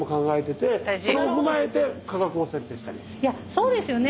そうですよね。